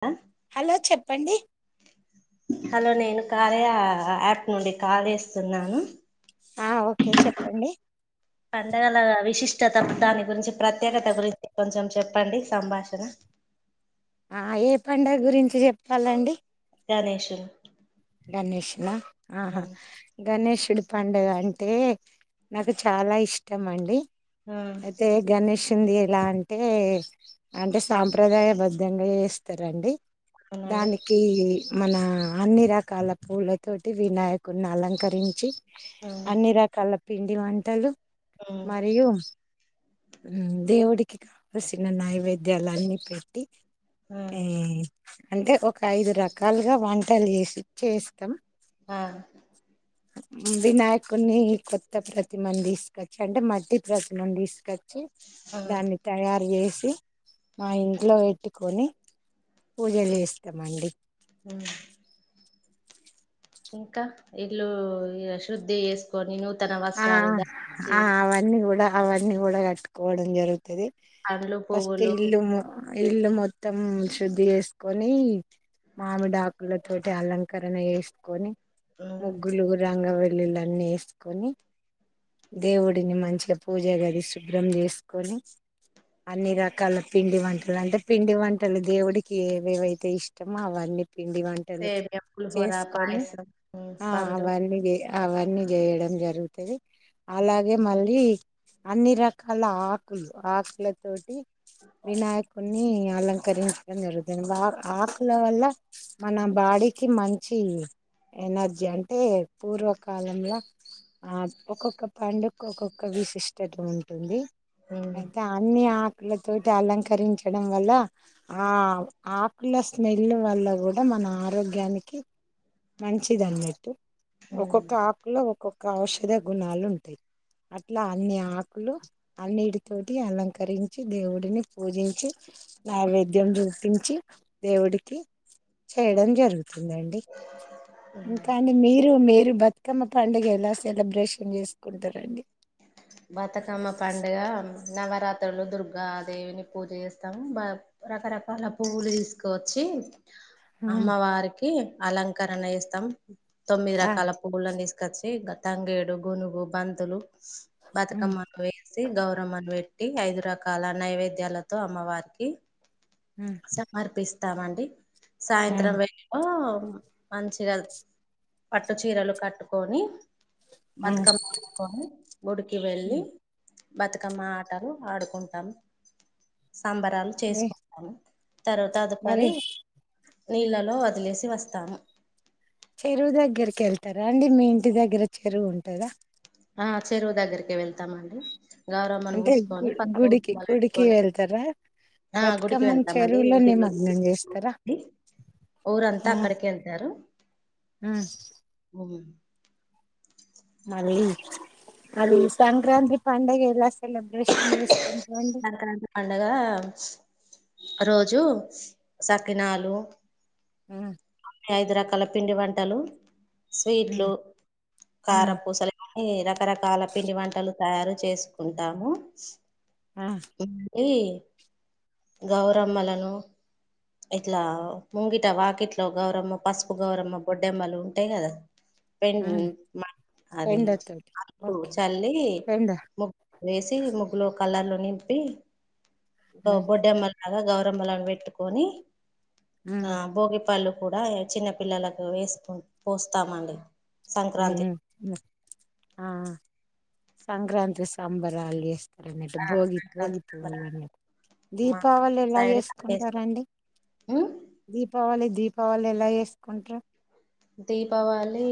ఆ హలో చెప్పండి హలో నేను యాప్ నుండి కాల్ చేస్తున్నాను ఆ ఓకే చెప్పండి పండగలాగా విశిష్ ఇచ్చేతప్పుతదా ని గురించి ప్రత్యేకత గురించి కొంచెం చెప్ పండి సంభాషణ ఆ ఏ పండుగ గురించి చెప్తాలండి గణేషుడు గణేష్నా ఆ ఆహా గణేషుడి పండుగ అంటే నాకు చాలా ఇష్టం అండి ఆ అయితే గణేష్ వచ్చింది ఎలా అంటే అంటే సాంప్రదాయబద్ధంగా చేస్తారండి అవునండి దానికి మన అన్ని రక కళ్ాల పూవలతోటి వినాయకుడిని అలంకరించి ఆ అన్ని రాకాల పిండి వంటలు ఉమ్ మరియు దేవుడికి కావలసిన నైవేద్యాలన్నిీ పెట్టి ఉమ్ ఆ అంటే ఒక ఐదు రకాలుగా వంటలు చేసి చేస్తాం ఆ వినాయకుడిని కొత్త ప్రతిమను తీసుకొచ్చి అంటే మట్టి ప్రతిమను తీసుకొచ్చి ఆ దాన్ని తయారు చేసి మా ఇంట్లో పెట్టుకొని పూజలు చేస్తామండి అ ఇంకా ఇల్లు శుద్ధి చేసుకొని ను ఆ ఆ అవన్నీ కూడా అవన్నీ కూడా కట్టుకోవడం జరుగుతుంది పండ్లు ఫస్ట్ పువ్వులు ఇల్ము ఇల్లు మొత్తం శుద్ధి చేసుకొని మామిడాకుల తోటి అలంకరణ చేసుకొని ఉమ్ ముగ్గులుగు రంగవ [unintelligible] వేసుకొని దేవుడిని మంచిగా పూజ గది శుభ్రం చేసుకొని అన్ని రకాల పిండి వంటలు అంటే పిండి వంటలు దేవుడికి ఏవేవైతే ఇష్టమో అవన్నీ పిండి వంటలు సేమ్య పులిహోర చేసుకొని పాయసం ఉమ్ ఆ పండ్లు అవన్నీ అవన్నీ చేయడం జరుగు అలాగే మళ్ళీ అన్ని రకాల ఆకులు ఆకులతోటి వినాయకుని అలంకరించడం జరుగుతుంది ఆకుల వల్ల మన బాడీకి మంచి ఎనర్జీ అంటే పూర్వకాలంలో ఆ ఒక్కొక్క పండుగకు ఒక్కొక్క విశిష్టత ఉంటుంది ఉమ్ అయితే అన్నిీ ఆకులతోటి అలంకరించడం వల్ల ఆ ఆకుల స్మెల్ వల్ల కూడా మన ఆరోగ్యానికి మంచిది అన్నట్టు ఉమ్ ఒక్కొక్క ఆకులా ఒక్కొక్క ఔషధ గుణాలు ఉంటాయి అట్లా అన్ని ఆకులు అన్నిటితోటి అలంకరించి దేవుడిని పూజించి నైవేద్యం చూపించి దేవుడికి చేయడం జరుగు తుంది అండి ఇంకా అండి మీరు మీరు బతుకమ్మ పండగ ఎలా సెలబ్రేషన్ చేసుకుంటారండి బతుకమ్మ పండుగ నవరాత్రి దుర్గా దేవిని పూజ చేస్తాం రకరకాల పువ్వులు తీసుకువచ్చి ఆ అమ్మవారి అలంకరణ చేస్థాం తొమ్మిది ఆ రకాల పవ్వులను తీసు తీసుకొచ్చి తంగేడు గునుగు బంతులు బతుకమ్మను గౌరమ్మను పెట్టి ఐదు రకాల నైవేద్యాలతో అమ్మవారికి సమర్పిస్తా స్తామండి సాయంత్రం [unintelligible] మంచిగా పట్టు చీరలు కట్టుకొని ఆ బతుకమ్మ పట్కొని గుడికి వెళ్ళి బతుకమ్మ ఆటలు ఆడుకుంటాం సాంబరాలు చేసుకుంటాం తరువాత మరి అదుపరి నీళ్ళలో వదిలేసి వస్తాము చెరువు దగ్గరికి వెళ్తారా అండి మీ ఇంటి దగ్గర చెరువు ఉంటందా ఆ చెరువు దగ్గరికి వెళ్తామండి గౌరమ్మని అంటే గు పూసుకొని పసుపు గుడికి కుంకుమ గుడికి పెట్టుకొని వెళ్తారా ఆ గుడికి బతుకమ్మని వెళ్తామండి చెరువులో ఇంటిలో నిమగ్నం చేస్తారా ఊరంతా అక్కడికి వెళ్తారు మళ్ళీ అది సంక్రాంతి పండగ ఎలా సెలబ్రేషన్ చేసుకుంటారు అండి సంక్రాంతి పండగ రోజు సకినాలు మ్మ్ ఐదు రకాల పిండి వంటలు స్వీట్లు కారపూసలు ఇవన్ని రకాలు రకరకాల పిండి వంటలు తయారు చేసుకుంటాము ఆ [unintelligible] గౌరమ్మలను ఇట్లా ముంగిట వాకిట్లో గౌరమ్మ పసుపు గౌరమ్మ బొడ్డెమ్మలు ఉంటాయి కదా పెడ అది ఎండతోటి అలుకు ఓకే చల్లి ఎండ ముగ్గు వేసి ముగ్గులో కలర్ లు నింపి బొడ్డే మల్ [unintelligible] గౌరమ్మల పెట్టు కొని ఆ భోగి పళ్ళు కూడా చిన్న పిల్లలకు వేసు పోస్తామండి సంక్రాంతి ఉహుమ్ ఉ ఆ సంక్రాంతి సంబరా అల్ చేస్త ట్టు భోగి భోగి పూవులు న్న మా దీపావళి ఎలా సైడ్ కట్టేస్తాం చేసుకుంటారండి ఉమ్ దీపావళి దీపావళి ఎలా వేసుకుంటా ర్రు దీపావళి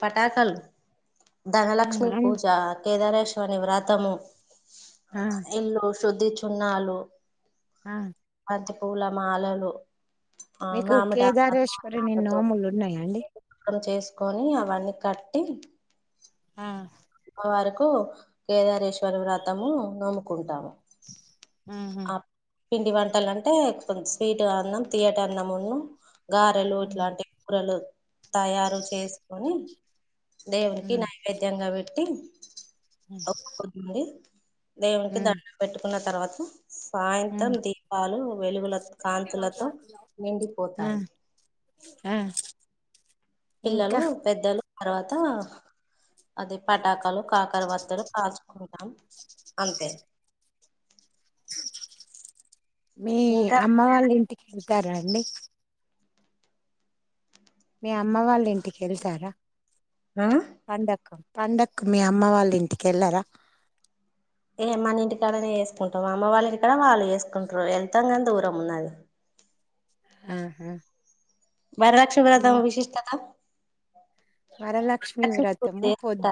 పటాకల ధనలక్ష్మి పూజ కేదారేశ ని వ్రతము ఆ ఎల్లోస్ సద్ది చున్నా అలు ఆ బంతి పూల మాలలు ఆ మీకు మామిడి ఆకు కేదారేశ్వరిని తోరణాలతో నోములు ఉన్నాయండి కొని అవన్నీ కట్టి ఆ వరకు కేదారేశ్వరి వ్రతము నోముకుంటాము ఉహుమ్ ఆ పిండి వంటలు అంటే కొంచ స్వీట్ అన్నం తియ్యటి అన్నమును గారెలు ఇట్లాంటి కూరలు తయారు చేసుకొని దేవుకి నైవేద్యంగా పె పెట్టి మొక్కుకొని మరి ఆ దేవునికి దండం పెట్టు ఉన్న తర్వాత సాయంత్రం దీపాలు వెలుగుల కాంతులతో ఆ నిండిపోతాయి ఆ పిల్లలు ఇంకా పెద్దలు తర్వాత అది పటాకాలు కాకర వత్తలు కాచుకుంటాం అంతే మీ ఇంకా అమ్మ వాళ్ళ ఇంటికె తరండి మీ అమ్మ వాళ్ళ ఇంటికి వెళ్తారా ఆ పండకు మీ అమ్మ వాళ్ళు ఇంటికి వెళ్లరాా ఏ మన ఇంటికాడనే వేసుకుంటాం అమ్మ వాళ్ళ ఇంటికాడ వాళ్ళు వేసుకుంటారు. వెళ్తాం కానీ దూరం ఉన్నది. హ్మ్ హు వరలక్మి వ్రతం విశిష్టత వరలక్ష్మి వ్రతము పొద్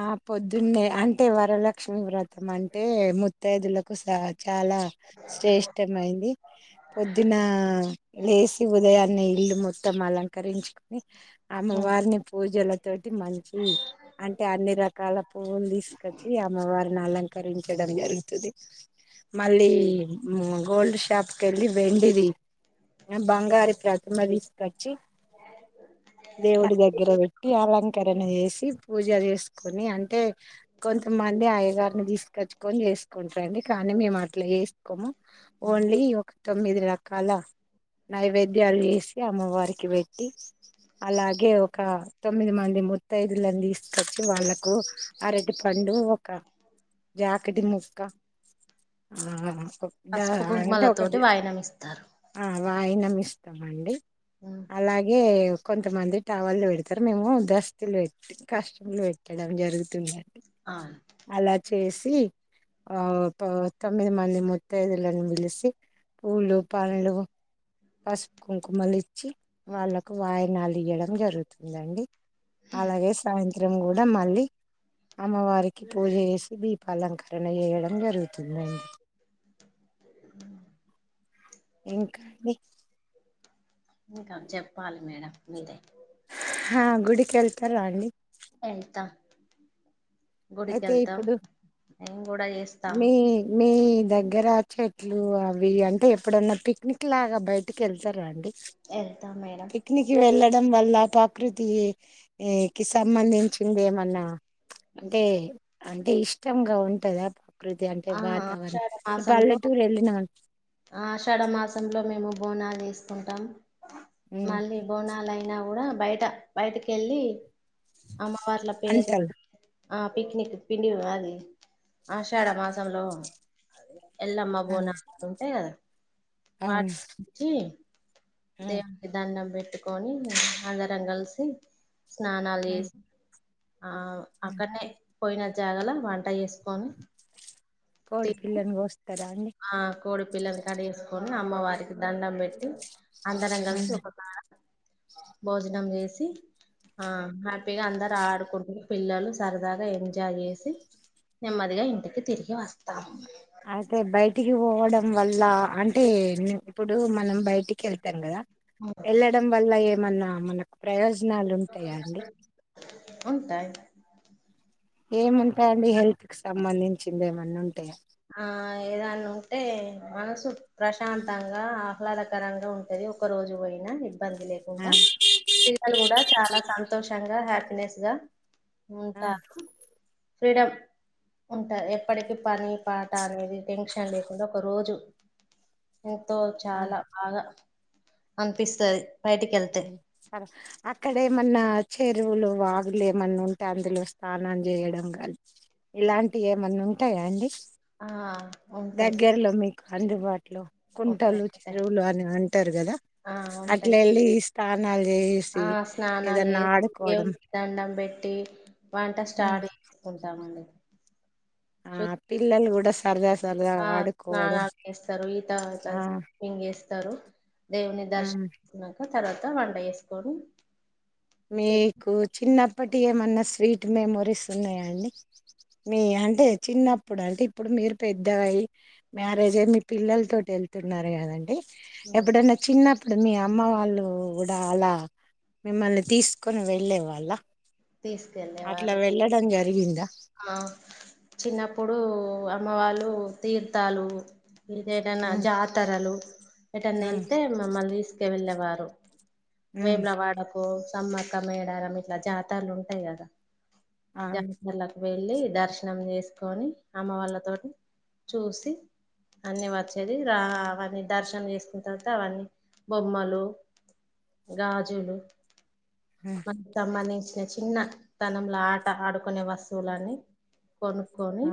ఆ పొద్దున్నే అంటే వరలక్ష్మి వ్రతం అంటే ముత్తైదులకు సా చాలా శ్రేష్టంమయింది. పొద్దున లేసి ఉదయాన్నే ఇల్లు మొత్తం అలంకరించుకుని అమ్మ చేసుకుంటారా వారిని పూజలత్ టీ మంచి అంటే అన్ని రకాల పువ్వులు తీసుకొచ్చి అమ్మవారిని అలంకరించడం జరుగుతుంది. మళ్ళీ మ్మ్ గోల్డ్ షాప్కి వెళ్ళి వెండిది బంగార్కి ప్రతిమ తీసుకొచ్చి దేవుడి దగ్గర పెట్టి అలంకరి న చేసి పూజ చేసుకొని అంటే కొంతమంది అయ్యగారిని తీసుకొచ్చుకొని చేసుకుంటారండి కానీ మేము అట్లా చేసుకోము ఓన్లీ వ తొమ్మిది రకాల నైవేద్యాలు చేసి అమ్మవారికి పెట్టి అలాగే ఒక తొమ్మిది మంది ముత్తైఐదులంది వాళ్లకు అరటి పండు ఒక జాకటి ముక్క పసుపు ఆంటే ఒక కుంకుమలతోటి వాయినం ఇస్తారు ఆ వాయిన ఇస్తామ అండి అలాగే కొంతమంది టవర్లు పెడతారు మేము దస్తులు పెట్టి కస్టూమ్లు పెట్టడం జరుగుతుంది ఆ అలా చేసి ఆ తొమ్మిది మంది ముత్తైదులను పిలిచి పూలు పండ్లు పసుపు కుంకుమలు ఇచ్చి వాళ్ళలకు వాయనాలు ఇయడం జరుగుతుందండి అలాగే సాయంత ఇవరం కూడ మళ్లీ అమ్మవారికి పూజ చేసి దీపాలంకరణ చేయడం జరుగుతుందండి ఉమ్ ఇంకని ఇంకా జెప్పాలి మేడం మిదై అహ్ గుడికెళ్తారా అండి వెళ్తా గుడికి అయితే వెళ్తా ఇప్పుడు నేను కూడా చేస్తా మీ మీ దగ్గరా చెట్లు అవి అంటె ఎప్పుడన్నా పిక్నిక్ లాగా బయటకి వెళ్తారా అండి యెల్త మేడం దాని వల్ల ప్రకృతి కి సంబంధించింది ఏమన్న అంటె అంటే ఇష్టంగా ఉంటద పా ఆ ఆ షాఢ మాసంలో, వెళ్ళిన ఆషాఢ మాసంలో మేము బోనాల్ చేస్ కుంటాం. మళ్ళీ బోనలైనా కుడా బయట బైటికెల్లీ అమ్మవార్ల పేరు. అంటలు ఆ పిక్నిక్ పిండి అది ఆషాఢ మాస్ హలో ఎల్లమ్మ బోనాల్ ఉంటయ్ గద, వాటి అవును గుచి దేవునికి దన్ను పె అనుకొని అందరం గల్సి స్నానాల్ చేస్ ఆవ్ అక్కన్నే పోయిన జాగల వంట చేసుకొని కోడి తిని పిల్లని కోస్ కధ అండి. ఆ కోడి పిల్లని కడేసుకొని అమ్మవారికి దండం బెట్టి అందరం గల్సి ఒక కాడ భోజనం చేసి ఆ హ్యాపీగా అందరు ఆడుకుంటు పిల్లలు సరదాగా ఏంజాయ్ ఎసి నెమ్మదిగా ఇంటికి తిరిగి వస్ తం టికి పోవడం వళ్ళ, అంటే నిప్పుడు మనం బైటికి యెల్తం గద ఎల్లడం వల్ల ఏ. మన్నా మనకు ప్రయోజ్ నాలు ఉంటాయా అండి. ఉంటాయి ఏమున్ టయ్ అండి హెల్త్క్ సంబంధించిందే మ అన్నుంటాయ. ఆ ఏదనా ఉంటే మనసు ప్రశాంతంగా, ఆహ్లాదకరంగా ఉంటది ఒక రోజు పోయినా ఇబ్బంది లేకుండా పిల్లలు కూడా చాలా సంతోష్ ంగా హ్యాప్ నెస్ గా ఉంటా ఫ్రీడమ్, ఉంటార్ ఎప్పటికి పని పాట అనేది టెన్షన్ లేకుండా ఒక రోజు ఎంతో చాలా బాగా అనిపిస్తది బయటికి వెళ్తే అ సరే ఆక్కడ మన్న చెరువులు, వాగులు ఏమన్నా ఉంటాయి. అందులో స్నానం చేయడం కాని ఇలాంటివి ఏమన్నా ఉంటాయా అండి. ఆ ఉంటాయి దగ్గ్యర్లొమ్మి అందుబాటు ఇట్ కుంటలు, ఉంటాయి ఉంటాయి చెరువులు అని అంటారు కదా ఆ అట్ల ఉంటాయి వెళ్ళి స్నానాలు చేసి ఆ స్నానాలు ఏదన్నా చేసి ఆడుకోవడం. దేవునికి దండం పెట్టి వంట ఉ స్టార్ట్ చేసుకుంటామండి ఆ పిల్లలు కూడా సరద ఆ స్నానాలు చేస్తారు, ఆ ఈతకొడతారు, ఎం చేస్తారు దేవుని ఉమ్. దర్శనం చేస్తున్నాక తర్వాత వండ చెసుకొని మీకు చిన్నప్పటి ఇ ఏమన్నా స్వీట్ మెమోరీస్ ఉన్నాయాండి. మీ అంటే చిన్నప్పుడు అంటే ఇప్పుడు మీరు పెద్ద అయి మ్యారేజే మీ పిల్లల తోటి వెళ్తున్నారు కదండి. ఉమ్, ఎప్పుడన్న చిన్న ఇప్పుడు మీ అమ్మ వాళ్ళు కూడా అలా మిమ్మల్ని తీసుకొని వెళ్ళే వాళ్ళ అట్లా తీసుకెళ్ళేవారు వెళ్ళడం జరిగిందా ఆ చిన్నప్పుడు అమ్మ వాళ్ళు తీర్థాలు ఇదేదైనా జాతరలు ఏటన్నా వెళ్తే మమ్మల్ని తీసుక వెళ్ళాము. వారు వేమ్లా వాడకు సమ్మక్క మేడార ఇట్లా జాత మాలు ఉంటాయి కదా. తనిసలా వెళ్ళి దర్శనం చేసుకొని అమ్మ వాళ్ళతోటి చూసి అన్న వచ్చేది రా, అవన్నీ దర్శనం చేసుకున్న తర్వాత అవన్నీ బొమ్మలు, గాజులు మత్తమ్ మనేష చిన్న చిన్నతనంలో ఆట ఆడుకునే వస్తువులని కొనుక్కొని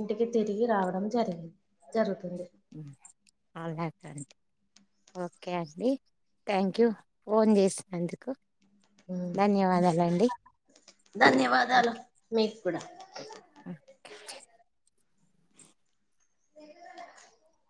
ఇంటికి తిరిగి రావడం జరిగింది జరుగుతుంది. అలా అంటరండి ఓకే అండి థ్యాంక్ యూ ఫోన్ చేసినందుకు. ధన్యవాదాలండి ధన్యవాదాలు మీ కూడా కూడా ఆ వె [unintelligible]